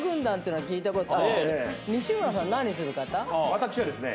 私はですね。